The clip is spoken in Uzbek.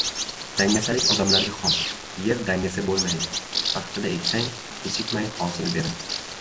• Dangasalik odamlarga xos, yer dangasa bo‘lmaydi: vaqtida eksang, kechikmay hosil beradi.